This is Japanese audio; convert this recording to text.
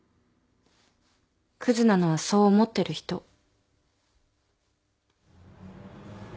くずなのはそう思ってる人。